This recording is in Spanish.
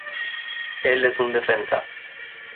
Él es un defensa.